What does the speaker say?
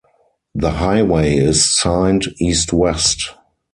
The highway is signed east-west.